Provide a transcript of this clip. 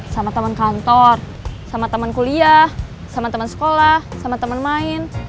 sama temen kantor sama temen kuliah sama temen sekolah sama temen main